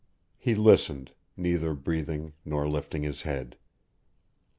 He listened, neither breathing nor lifting his head.